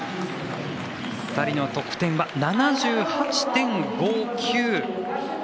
２人の得点は７８．５９。